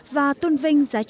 và tuân vinh gia đình